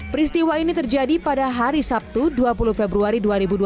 peristiwa ini terjadi pada hari sabtu dua puluh februari dua ribu dua puluh